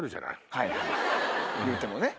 はいいうてもね。